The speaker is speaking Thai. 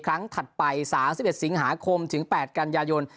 ถัดไป๓๑สิงหาคมถึง๘กันยายน